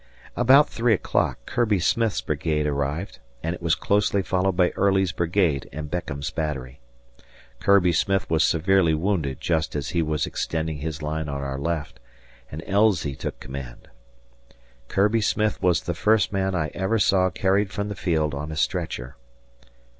About three o'clock Kirby Smith's brigade arrived, and it was closely followed by Early's brigade and Beckham's battery. Kirby Smith was severely wounded just as he was extending his line on our left, and Elzey took command. Kirby Smith was the first man I ever saw carried from the field on a stretcher.